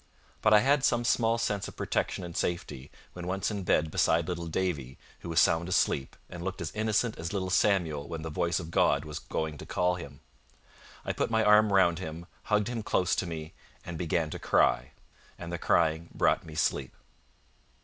But I had some small sense of protection and safety when once in bed beside little Davie, who was sound asleep, and looked as innocent as little Samuel when the voice of God was going to call him. I put my arm round him, hugged him close to me, and began to cry, and the crying brought me sleep.